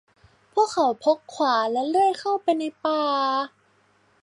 พวกเขาพกขวานและเลื่อยเข้าไปในป่า